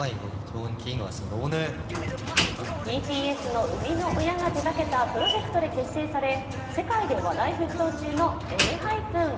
ＢＴＳの生みの親が手がけたプロジェクトで結成され世界で話題沸騰中のＥＮＨＹＰＥＮ。